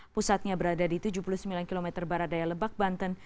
pusatnya berada di tujuh puluh sembilan km barat daya lebak banten